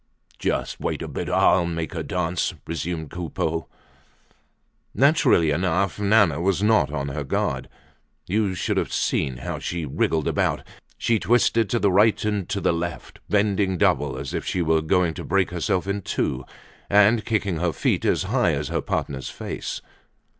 "Just wait a bit, I'll make her dance!" resumed Coupeau. Naturally enough, Nana was not on her guard. You should have seen how she wriggled about! She twisted to the right and to the left, bending double as if she were going to break herself in two, and kicking her feet as high as her partner's face.